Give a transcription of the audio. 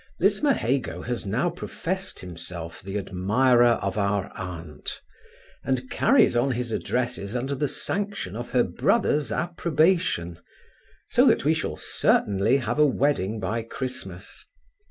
Lismahago has now professed himself the admirer of our aunt, and carries on his addresses under the sanction of her brother's approbation; so that we shall certainly have a wedding by Christmas.